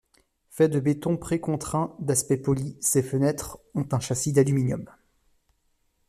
Fait de béton précontraint, d'aspect poli, ses fenêtres ont un châssis d'aluminium.